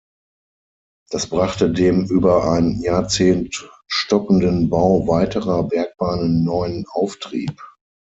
Das brachte dem über ein Jahrzehnt stockenden Bau weiterer Bergbahnen neuen Auftrieb.